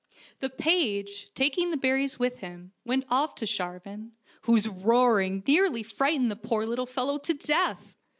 The page, taking the berries with him, went off to Shar van, whose roaring nearly frightened the poor little fellow to death.